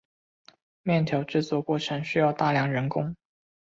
面条制作过程需要大量人工。